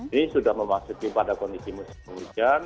ini sudah memasuki pada kondisi musim hujan